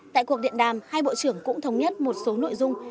tại cuộc điện đàm hai bộ trưởng cũng thống nhất một số nội dung